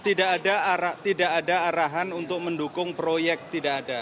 oh tidak ada tidak ada arahan untuk mendukung proyek tidak ada